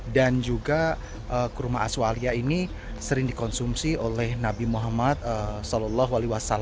dan juga kurma ajwa alia ini sering dikonsumsi oleh nabi muhammad saw